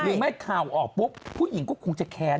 หรือไม่ข่าวออกปุ๊บผู้หญิงก็คงจะแค้น